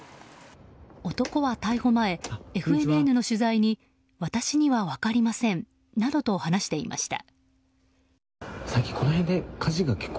男は逮捕前、ＦＮＮの取材に私には分かりませんなどと話していました。